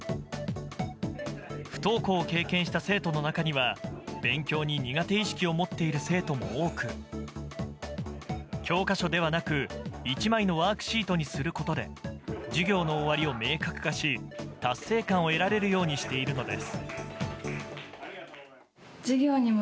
不登校を経験した生徒の中には勉強に苦手意識を持っている生徒も多く教科書ではなく１枚のワークシートにすることで授業の終わりを明確化し達成感を得られるようにしているのです。